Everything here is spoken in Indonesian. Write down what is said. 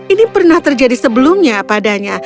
ini pernah terjadi sebelumnya padanya